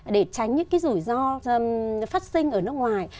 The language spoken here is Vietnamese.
để tránh những rủi ro phát sinh ở nước ngoài